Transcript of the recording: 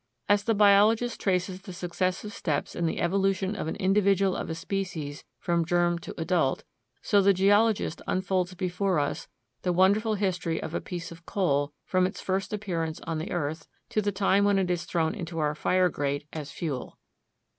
As the biologist traces the successive steps in the evolution of an individual of a species from germ to adult, so the geologist unfolds before us the wonderful history of a piece of coal from its first appearance on the earth to the time when it is thrown into our fire grate as fuel.